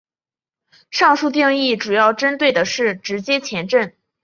上述定义主要针对的是直接前震。